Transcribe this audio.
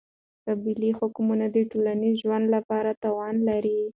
قالبي حکمونه د ټولنیز ژوند لپاره تاوان لري.